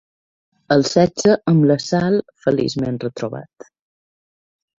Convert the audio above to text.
El sexe amb la Sal, feliçment retrobat.